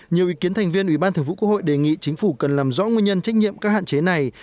nhiều ý kiến thành viên ủy ban thường vụ quốc hội đề nghị chính phủ cần làm rõ nguyên nhân trách nhiệm các hạn chế này